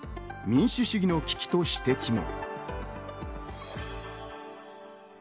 民主主義の危機と指摘も。